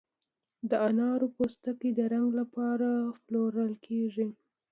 د انارو پوستکي د رنګ لپاره پلورل کیږي؟